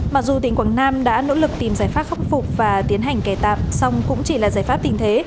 mặc dù tỉnh quảng nam đã nỗ lực tìm giải pháp khắc phục và tiến hành kè tạp song cũng chỉ là giải pháp tình thế